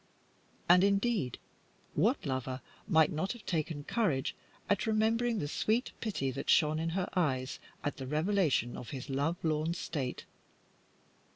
And, indeed, what lover might not have taken courage at remembering the sweet pity that shone in her eyes at the revelation of his love lorn state?